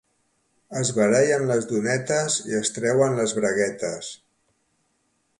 Es barallen les donetes i es treuen les braguetes.